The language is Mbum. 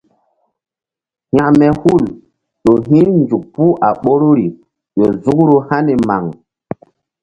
Hȩkme hul ƴo hi̧nzuk puh a ɓoruri ƴo nzukru hani maŋ.